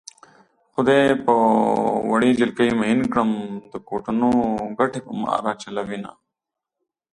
خدای په وړې جلکۍ مئين کړم د کوټنو ګټې په ما راچلوينه